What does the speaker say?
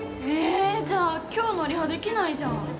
えじゃあ今日のリハできないじゃん。